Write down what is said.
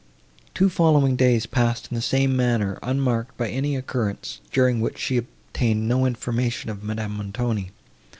Two following days passed in the same manner, unmarked by any occurrence, during which she obtained no information of Madame Montoni.